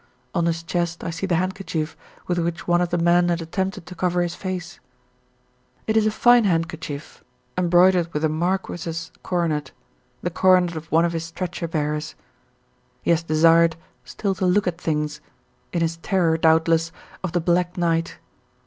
On his chest I see the handkerchief with which one of the men had attempted to cover his face; it is a fine handkerchief, embroidered with a marquis's coronet the coronet of one of his stretcher bearers. He had desired still to look at things, in his terror, doubtless, of the black night.